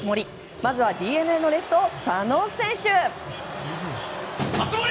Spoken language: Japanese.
まずはＤｅＮＡのレフト佐野選手。